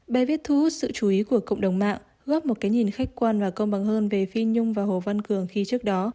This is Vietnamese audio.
bài viết thu hút sự chú ý của cộng đồng mạng góp một cái nhìn khách quan và công bằng hơn về phi nhung và hồ văn cường khi trước đó